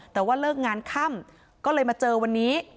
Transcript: แต่ว่าเลิกงานค่ำก็เลยมาเจอวันนี้